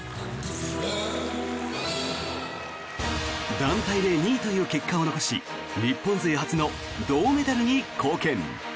団体で２位という結果を残し日本勢初の銅メダルに貢献。